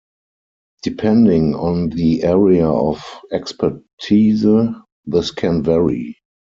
Depending on the area of expertise this can vary.